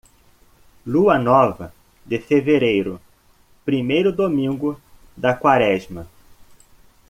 Lua nova de fevereiro, primeiro domingo da Quaresma.